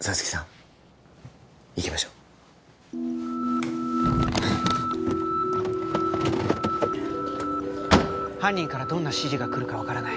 沙月さん行きましょう犯人からどんな指示が来るか分からない